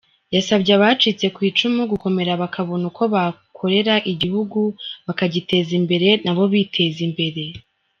Yasabye abacitse ku icumu gukomera bakabona uko bakorera igihugu bakagiteza imbere nabo biteza imbere.